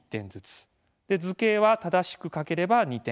図形は正しく書ければ２点。